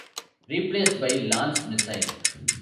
Replaced by Lance missile.